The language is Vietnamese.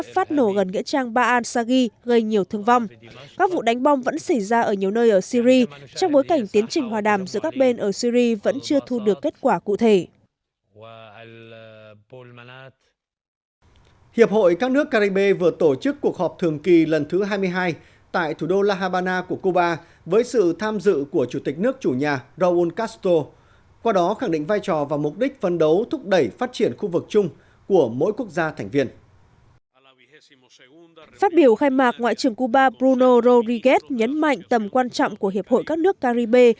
phát biểu khai mạc ngoại trưởng cuba bruno rodriguez nhấn mạnh tầm quan trọng của hiệp hội các nước caribe